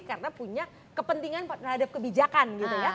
karena punya kepentingan terhadap kebijakan